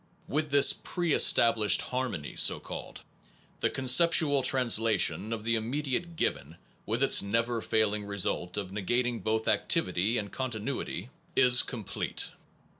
With this pre established harmony so called, the conceptual translation of the immediate given, with its never failing result of negating both activity and continuity, is 195 SOME PROBLEMS OF PHILOSOPHY complete.